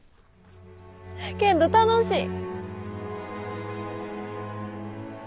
けんど楽しい！